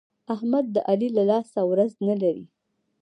احمد د علي له لاسه ورځ نه لري.